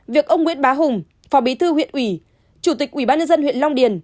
việc ông nguyễn bá hùng phò bí thư huyện huyện chủ tịch ubnd huyện long điền